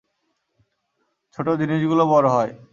ছোট জিনিসগুলো বড় হয়।